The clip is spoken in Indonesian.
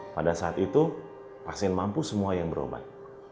pada saat itu pasien mampu semua yang berobat